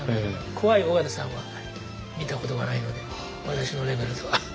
怖い緒方さんは見たことがないので私のレベルでは。